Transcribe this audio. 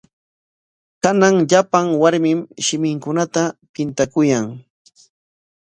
Kanan llapan warmim shiminkunata pintakuyan.